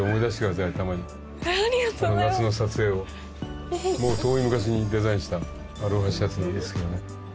ありがとうございます夏の撮影をもう遠い昔にデザインしたアロハシャツなんですけどね